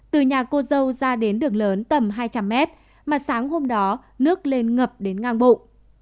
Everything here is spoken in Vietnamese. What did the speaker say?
từ nhà cô dâu ra đến đường lớn tầm hai trăm linh mét mà sáng hôm đó nước lên ngập đến ngang bụng